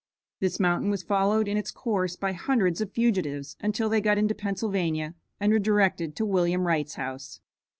This mountain was followed in its course by hundreds of fugitives until they got into Pennsylvania, and were directed to William Wright's house.